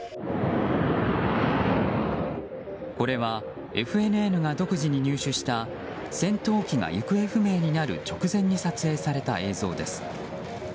これは、ＦＮＮが独自に入手した戦闘機が行方不明になる直前に撮影された映像です。